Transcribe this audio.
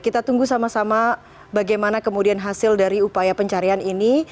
kita tunggu sama sama bagaimana kemudian hasil dari upaya pencarian ini